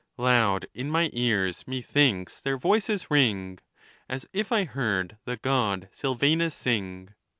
Loud in my ears methinks their voices ring, As if I heard the God Sylvanus sing.